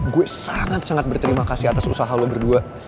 gue sangat sangat berterima kasih atas usaha lo berdua